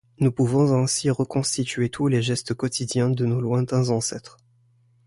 Nous pouvons ainsi reconstituer tous les gestes quotidiens de nos lointains ancêtres.